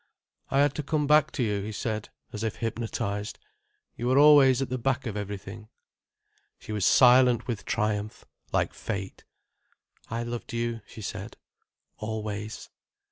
"I had to come back to you," he said, as if hypnotized. "You were always at the back of everything." She was silent with triumph, like fate. "I loved you," she said, "always."